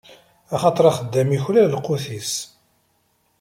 Axaṭer axeddam yuklal lqut-is.